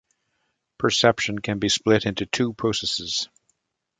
Perception can be split into two processes.